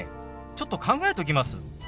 ちょっと考えときます。